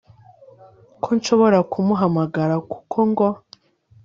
ko nshobora kumuhamagara kuko ngo